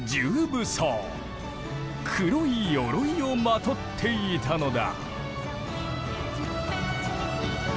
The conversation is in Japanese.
黒い鎧をまとっていたのだ。